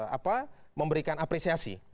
apa memberikan apresiasi